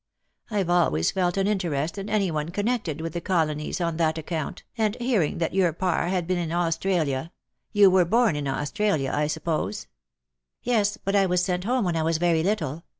I've always felt an interest in any one connected with the colonies on that account, and hearing that your par had been in Australia — you were born in Australia, I sup pose ?"" Yes, but I was sent home when I was very little.